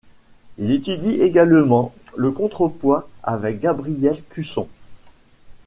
Il étudie également le contrepoint avec Gabriel Cusson.